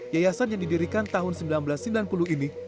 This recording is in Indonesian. yayasan yang didirikan tahun seribu sembilan ratus sembilan puluh ini